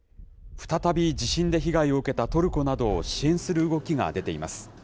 再び地震で被害を受けたトルコなどを支援する動きが出ています。